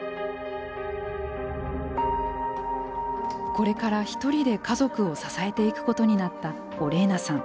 これからひとりで家族を支えていくことになったオレーナさん。